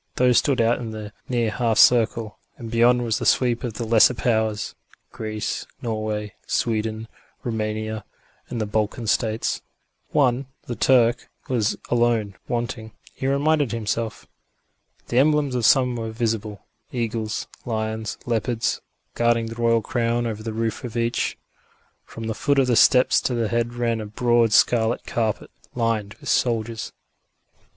Those stood out in the near half circle, and beyond was the sweep of the lesser powers: Greece, Norway, Sweden, Roumania and the Balkan States. One, the Turk, was alone wanting, he reminded himself. The emblems of some were visible eagles, lions, leopards guarding the royal crown above the roof of each. From the foot of the steps to the head ran a broad scarlet carpet, lined with soldiers.